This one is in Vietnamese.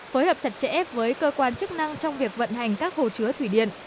phối hợp chặt chẽ với cơ quan chức năng trong việc vận hành các hồ chứa thủy điện